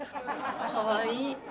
かわいい。